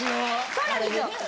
そうなんですよ。